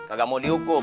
kagak mau dihukum